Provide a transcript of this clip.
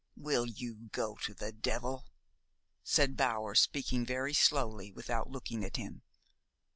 "Will you go to the devil?" said Bower, speaking very slowly without looking at him.